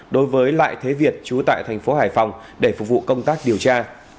đối với lại thế việt trú tại thành phố hải phòng để phục vụ công tác điều tra